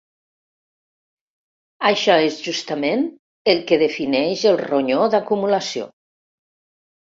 Això és, justament, el que defineix el ronyó d'acumulació.